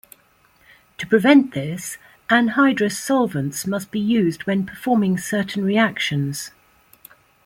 To prevent this, anhydrous solvents must be used when performing certain reactions.